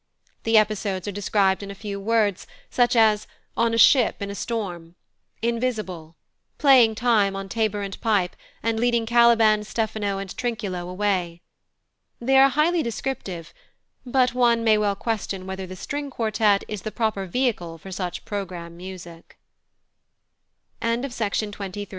The episodes are described in a few words, such as "On a ship in a storm," "Invisible," "Playing time on tabor and pipe and leading Caliban, Stephano, and Trinculo away." They are highly descriptive, but one may well question whether the string quartet is the proper vehicle for such programme music. TIMON OF ATHEN